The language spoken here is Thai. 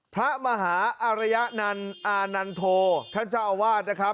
พระมหาอารยะนาราณโธท่านเจ้าอาวาสครับ